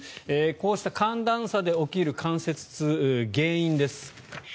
こうした寒暖差で起きる関節痛原因です。